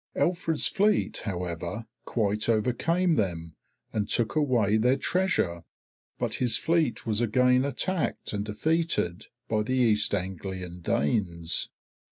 Alfred's fleet however quite overcame them and took away their treasure, but his fleet was again attacked and defeated by the East Anglian Danes.